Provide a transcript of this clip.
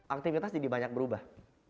aktivitas jadi banyak berubah